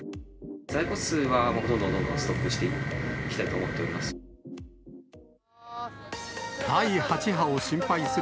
在庫数はどんどんどんどんストックしていきたいと思っております。